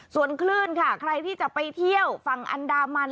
ส่วนคลื่นค่ะใครที่จะไปเที่ยวฝั่งอันดามัน